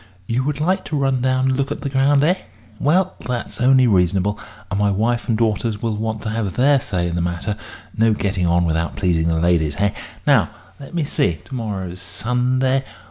You would like to run down and look at the ground, eh? Well, that's only reasonable; and my wife and daughters will want to have their say in the matter no getting on without pleasing the ladies, hey? Now, let me see. To morrow's Sunday.